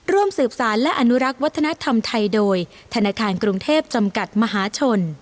ร่วมสืบสารและอนุรักษ์วัฒนธรรมไทยโดยธนาคารกรุงเทพจำกัดมหาชน